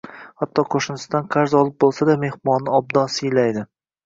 Hatto qo‘shnisidan qarz olib bo‘lsa-da, mehmonni obdon siylaydi